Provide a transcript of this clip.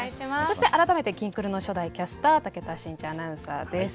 そして改めて「きんくる」の初代キャスター武田真一アナウンサーです。